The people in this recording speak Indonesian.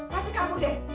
pasti kamu dek